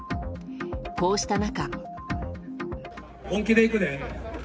こうした中。